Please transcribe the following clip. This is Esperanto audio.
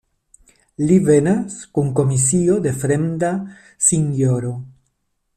Li venas kun komisio de fremda sinjoro.